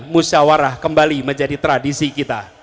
musyawarah kembali menjadi tradisi kita